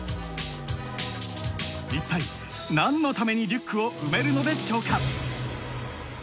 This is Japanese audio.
いったいなんのためにリュックを埋めるのでしょうか？